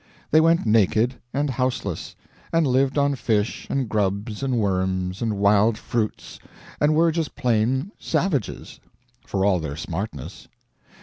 They went naked and houseless, and lived on fish and grubs and worms and wild fruits, and were just plain savages, for all their smartness.